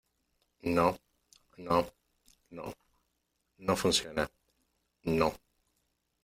no, no , no. no funciona , no .